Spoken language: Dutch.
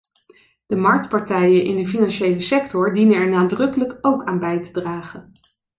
De marktpartijen in de financiële sector dienen er nadrukkelijk ook aan bij te dragen.